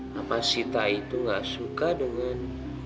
nama sita itu gak suka dengan